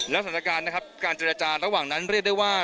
และสถานการณ์นะครับการเจรจาระหว่างนั้นเรียกได้ว่า